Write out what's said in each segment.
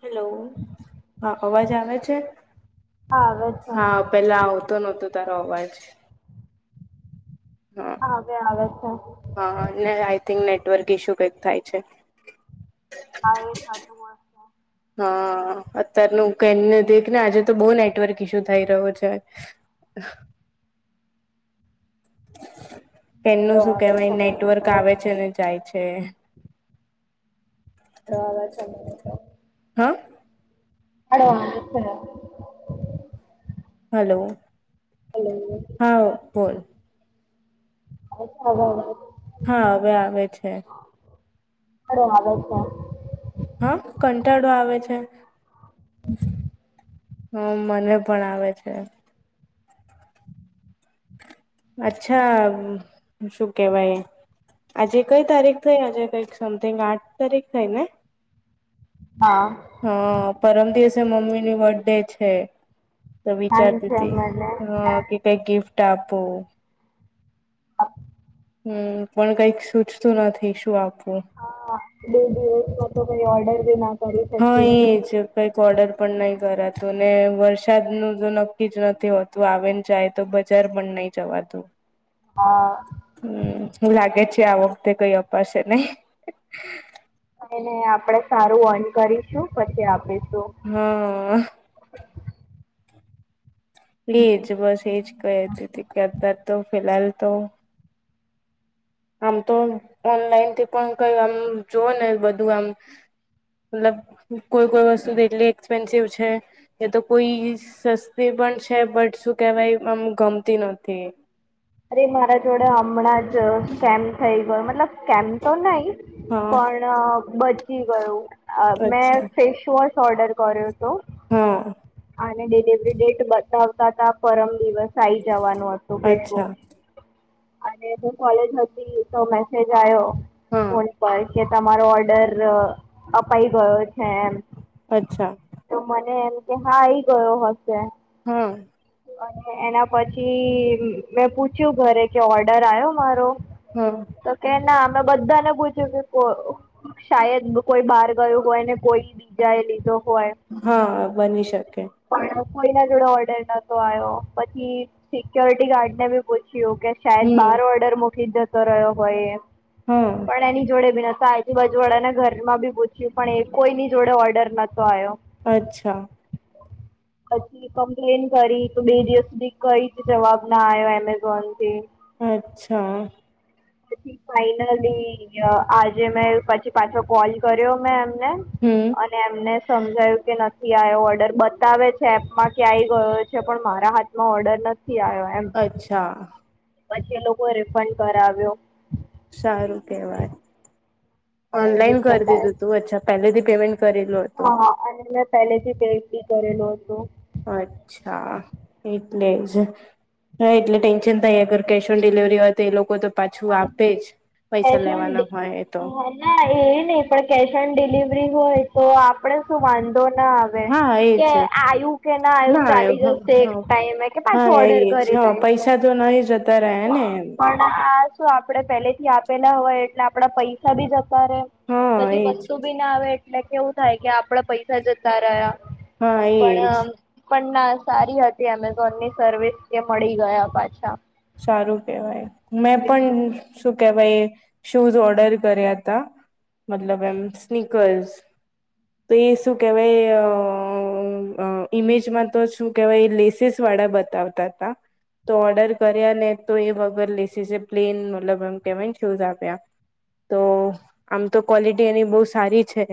Hello હા અવાજ આવે છે હા વસ હા પેલા આવતો નહતો તારો અવાજ હા હવે આવે છે આઈ થિંક નેટવર્ક ઇશ્યુ કઈક થાય છે હા એ ખચું વસ્ત હા અત્યારનું ક દક ને આજે તો બહુ નેટવર્ક ઇસ્યુ થઈ રહ્યો છે [inaudible] હાડો એનું શું આવે છે કેહેવાય મને નેટવર્ક તો આવે છે ને જાય છે તોવા હે અડવા હલો હા બોલ હ હ હા હવે આવે છે બડ વા છે હા કંટાળો આવે છે [inaudible] હમ મને પણ આવે છે અચ્છા શું કેવાય આજે કઈ તારીખ થઈ આજે કઈક સમથિંગ આઠ તારીખ થઈ ને હા હા પરમ દિવસે મમ્મી ની બર્થ ડે છે તો ધ્યાન વિચારતી છે હતી મને હ કે કઈ ગિફ્ટ આપો હમ પણ કઈક સૂચતું નથી શું આપવું હા ડે તોઈ ઓર્ડર દેના હા એજ કઈક ઓર્ડર પણ નહીં કરાતું ને વરસાદ નું જો નક્કી જ નથી હોતું આવે ને જાય તો જર્મન નહી જવાતું હા હમ હું લાગે છે આ વખતે કઈ અપાશે નહી ને આપણેે સારું અન કરીશું પછી આપીશું. હમ પ્લીજ બસ એજ કહે છે કેારાર તો ફિહાલ તો આમ તો ઓનલાઈન થી પણ કય આમ જોવ ને બધું આમ મતલબ કોઈ કોઈ વસ્તુ દટલી એક્સપેન્સિવ છે. એ તો કોઈ સસ્તી પણ છે બટ શું કેહેવાય આમ ગમતી નથી અરે મારા જોડે હમણાં જ સ્કેમ થઈ ગયો મતલબ સ્કેમ તો નઈ હા પણ બચી ગયું અચ્છા મેં ફેસવોશ ઓર્ડર કર્યો તો હા અને ડિલિવરી ડેટ બતાવતા ત પરમ દિવસ આઈ જવાનું હત. અચ્છા અને જો કોલેજ હતી તો મેસેજ આવ્યો હા ફ પ કે તમારો ઓર્ડર અપાઈ ગયો છે એમ અચ્છા તો મને એમ કે હા એઈ ગયો હશે હમ અને એના પછી મેં પૂછ્યું ઘરે કે ઓર્ડર આવ્યો મારો હમ તો કે ના અમે બધાને પૂછ્યું કે કો શાયદ કોઈ બહાર ગયું હોય ને કોઈ બીજા એ લીધો હોય હા બની શકે પણ કોઈ ના જોડે ઓર્ડર નતો આવ્યો પછી સિક્યોરિટી ગાર્ડ ને બી પૂછી્યું કે શદ હમ બહાર ઓર્ડર મકીલી જતો રહ્યો હોય હા પણ એની જોડે ભી ન બજવડા ને ઘરમાં બી પૂછ્યું પણ એ કોઈની જોડે ઓર્ડર નતો આવ્યો અચ્છા પછી કમ્પ્લેન કરી તો બે દિવસ સુધી કઈ જવાબ ના આવ્યો એમ કોંત અચ્છા પછી ફાઈનલી આજે મેં પછી પાછો કોલ કર્યો મે એમ હમ અને એમને સમજાયું કે નથી આવ્યો ઓર્ડર બતાવે છે એપમાં કે આવી ગયો છે પણ મારા હાથમાં ઓર્ડર નથી. આયો એમ અચ્છા પછી એ લોકો રિફંડ કરાવ્યો સારું કેવાય અને ઓનલાઈન કરી રિફંડ દીધું આવ્યો તું અચ્છા પેલેથી પેમેન્ટ કરેલું હતું હા અને મેં પહેલેથી પેી કરેલું હતું. અચ્છા એટલે જ હા એટલે ટેન્શન થાય અગર કેશ ઓન ડિલિવરી હોય તો એ લોકો તો પાછું આપે જ પૈસા કેશ ઓન લેવાના હોય એ તો ડી ના એ નહ પણ કેશ ઓન ડિલિવરી હોય તો આપડે શું વાંધ ના આવે હા એજ કે આવ્યું કે ના આવું ચાલી ના જશે એક ટાઈમે હા પાછો ઓર્ડર એજ કરી હા દઈ છે. પૈસા તો નહી જતા રહ્યા ને એમ આ શું આપે પેલે થી આપેલા હોય એટલે આપડા પૈસા બી જતા રહે હા પછી એજ વસ્તુ બી ના આવે એટલે કેવું થાય કે આપડા પૈસા જતા રહ્યા હા એજ પણ પણ ના સારી હતી એમેઝોન ની સર્વિસ કે મળી ગયા પાછા સારું કેહેવાય મેં હલો પણ શું કે ભાઈ શૂઝ ઓર્ડર કર્યા હતા મતલબ એમ સ્નીકર્સ [inaudible] તો એ શું કહેવાય ઇમેજમાં તો શું કહેવાય લેસીસ વાળા બતાવતા તો ઓર્ડર કર્યા ને તો એ વગર લેસી છે પ્લેન મતલબ એમ કેહેવાય ને શૂઝ આપ્યા તો આમ તો ક્વોલિટી એની બહુ સારી છે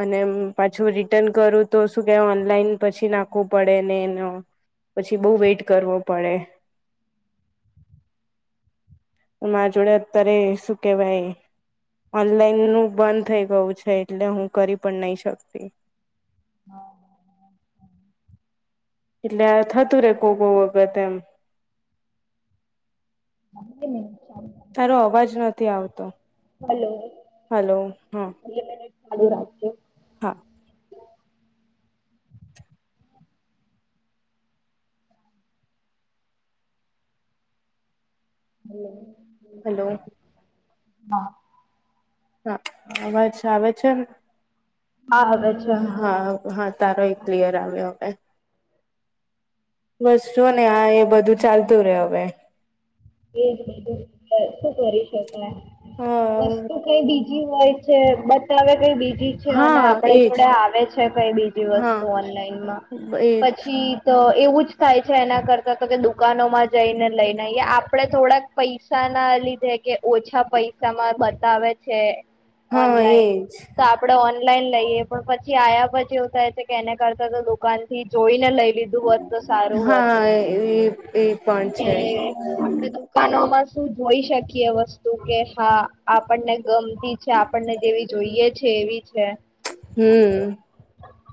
અને પાછું રિટર્ન કરું તો શું કે ઓનલાઈન પછી નાખવું પડે ને એનો પછી બહુ વેઇટ કરવો પડે મા જોડે અત્યારે શું કેવાય ઓનલાઈન નું બંધ થઈ ગયું છે એટલે હું કરી પણ નહી શકતી હા એટલે થતું રે કો કો વગર એમ [inaudible] તારો અવાજ નથી આવતો હલો હલો હા મિટ ચાલુ રાખજો હા હમ હલો હા હા અછ વ છે હા હવે હા હા તારો એ ક્લિયર આવ્યો હવે બસ શું ને આ એ બધું ચાલતું રે હવે એ બધું શું કરી શકાય હા વસ્તુ કઈ બીજી હોય છે બતાવે કઈ બીજ અને હા આપડ એજ જોડે આવે છે કઈ બીજી હા વસ્તુ ઓનલાઈનમાં એજ પછી તો એવું જ થાય છે એના કરતા તો કે દુકાનોમાં જઈને લઈને આપ આપડે થોડાક પૈસા ના લીધે કે ઓછા પૈસામાં બતાવે છે હા ઓનલાઈન એજ તો આપડે ઓનલાઈન લઈએ પણ પછી આ્યા પછી એવું થાય છે કે એને કરતા તો દુકાન થી જોઈને લઈ લીધું હોત તો સારું હા હોતું. એ એ પણ છે આપ દુકાનોમાં શું જોઈ શકીએ વસ્તુ કે હા આપણને ગમતી આપણને જેવી જોઈએ છે એવી છે હમ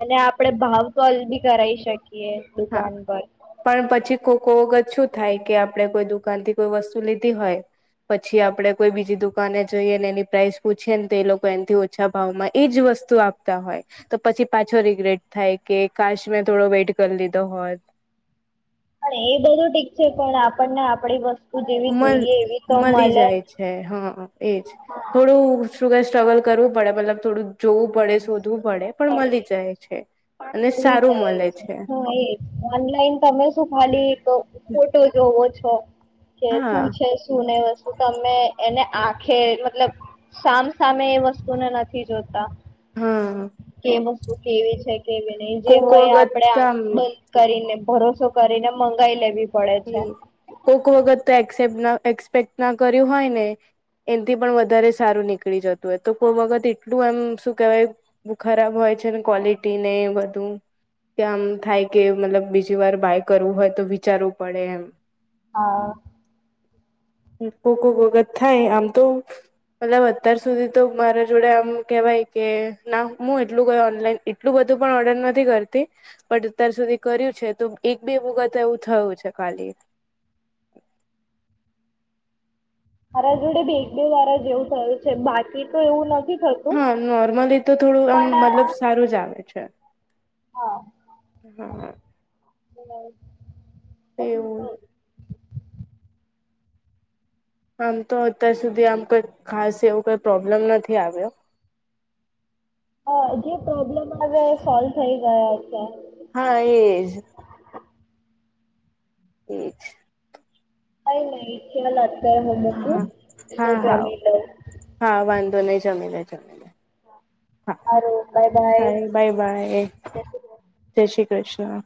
અને આપડે ભાવ કોલ ભી કરાવ શકીએ હા દુકાન પર પણ પછી કો કો વગત શું થાય કે આપણે કોઈ દુકાન થી કોઈ વસ્તુ લીધી હોય પછી આપડે કોઈ બીજી દુકાને જઈએ ને એની પ્રાઇસ પૂછીએ ને તે એ લોકો એથી ઓછા ભાવમાં એજ વસ્તુ આપતા હોય તો પછી પાછો રિગ્રેટ થાય કે કાશ મેં થોડો વેઇટ કરી લીધો હોત પણ એ બધું ઠીક છે પણ આપણને આપણી વસ્તુ જેવી મલ જોઈએ એવી તો મળી મળે જાય છે હા એજ થોડું શું કઈ સ્ટ્રગલ કરવું પડે મતલબ થોડું જોવું પડે શું બળે શોધવું પણ પડે મળી જાય છે પણ અને મળી સારું જાય મળે છે હા એજ ઓનલાઈન તમે શું ખાલી એક ફોટો જોવો છો હા સં છે સુન વસ્ તમે એને આખે મતલબ સામસામે એ વસ્તુને નથી જોતા હા કેમ શું કેવી છે કેવી નહી જે કોક હોય આપડે વખત આ આમ કરીને ભરોસો કરીને મંગાવી લેવી પડે હ છે કો કો વગત તો એક્સેપ્ટ ના એક્સપેક્ટ ના કર્યું હોય ને એથી પણ વધારે સારું નીકળી જતું હો તો કોઈ વખત એટલું એમ શ કવાય ખરાબ હોય છે ને ક્વોલિટી ને બધું. કે આમ થાય કે મતલબ બીજી વાર બાય કરવું હોય તો વિચારવું પડે એમ હા કો કો વખત થાય આમ તો મતલબ અત્યાર સુધી તો મારા જોડે આમ કેવાય કે ના હું એટલું કયો ઓનલાઈન એટલું બધું પણ ઓર્ડર નથી કરતી પણ અત્યાર સુધી કર્યું છે તો એક બે વખત એવું થયું છે. ખલી મારા જોડે ભેગદેવ વારા જેવું થયું છે બાકી તો એવું નથી થતું હા નોર્મલી તો થોડું આમ મતલબ પણ સારું જ આવે છે. હા હમ એવું આમ તો અત્યાર સુધી આમ કઈ ખાસ એવું કઈ પ્રોબ્લેમ નથી આવ્યો અ જે પ્રોબ્લેમ આવ્યા એ સોલ્વ થઈ ગયાત હા એજ એ છે. ક નહીવા લતક્યારે મોમ હા બ હા હા જમી લ હા વાંધો નહી જમી જમી હા હારુ બાય બાય સારી બાય બાય જય શ્રી કૃષ્ણ જય શ્રી કૃષ્ણ